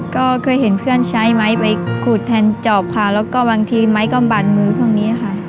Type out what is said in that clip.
ก็เคยเห็นเพื่อนใช้ไม้ไปขูดแทนจอบค่ะแล้วก็บางทีไม้ก็บั่นมือพวกนี้ค่ะ